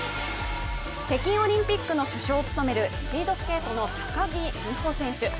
北京オリンピックの主将を務めるスピードスケートの高木美帆選手。